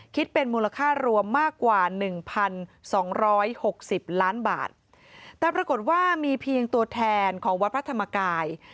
คิดเป็นมูลค่ารวมมากกว่า๑๒๖๐ล้านบาทแต่ปรากฏว่ามีเพียงตัวแทนของวัดพระธรรมกาย